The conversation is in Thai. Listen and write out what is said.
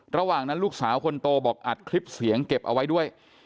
ระหว่างนั้นลูกสาวคนโตบอกอัดคลิปเสียงเก็บเอาไว้ด้วย